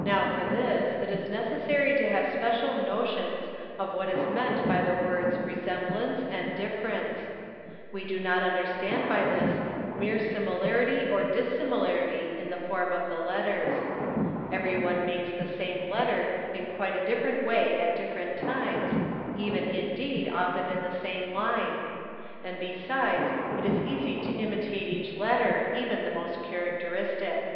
Now for this it is necessary to have special notions of what is meant by the words ''resemblance'' and " difference'; we do not understand by this mere similarity or dissimilarity in the form of the letters. Everyone 'makes the same letter in quite a different way at different times, even AER A AO OE COINS OE indeed often in the same line; and besides it is easy to imitate each letter, even the most characteristic.